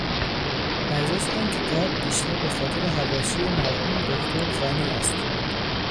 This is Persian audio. ارزش آن کتاب بیشتر به خاطر حواشی مرحوم دکتر غنی است.